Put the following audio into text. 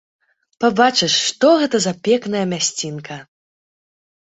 Пабачыш, што гэта за пекная мясцінка!